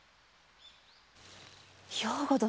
兵庫殿！